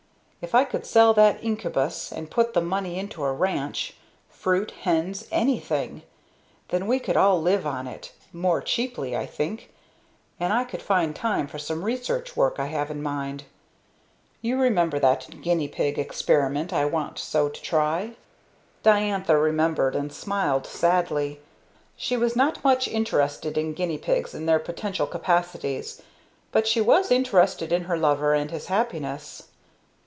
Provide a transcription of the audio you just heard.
If I could sell that incubus and put the money into a ranch fruit, hens, anything then we could all live on it; more cheaply, I think; and I could find time for some research work I have in mind. You remember that guinea pig experiment I want so to try?" Diantha remembered and smiled sadly. She was not much interested in guinea pigs and their potential capacities, but she was interested in her lover and his happiness.